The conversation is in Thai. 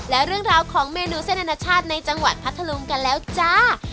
และเรื่องราวของเมนูเส้นอนาชาติในจังหวัดพัทธลุงกันแล้วจ้า